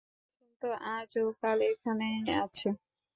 কুসুম তো আজ ও কাল এখানে আছে।